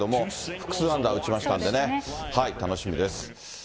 複数安打打ちましたんでね、楽しみです。